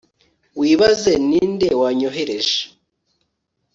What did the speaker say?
wibaze ninde wanyohereje